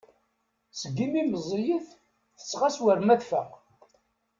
Seg imi meẓẓiyet tettɣas war ma tfaq.